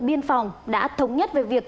biên phòng đã thống nhất về việc